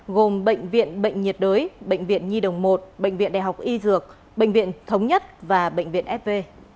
gồm bệnh viện bệnh nhiệt đới bệnh viện nhi đồng một bệnh viện đại học y dược bệnh viện thống nhất và bệnh viện fv